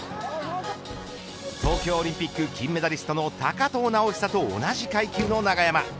東京オリンピック金メダリストの高藤直寿と同じ階級の永山。